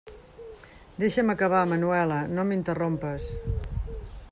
Deixa'm acabar, Manuela; no m'interrompes.